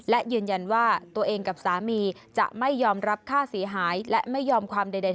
และยืนยันว่าตัวเองกับสามีจะไม่ยอมรับค่าเสียหายและไม่ยอมความใด